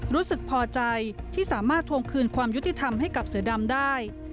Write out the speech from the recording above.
รู้สึกพอใจที่สามารถทวงคืนความยุติธรรมให้กับเสือดำได้